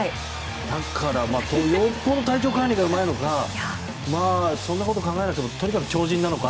だから、よっぽど体調管理がすごいかそんなこと考えなくても強じんなのか。